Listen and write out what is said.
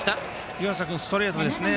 湯浅君、ストレートですね。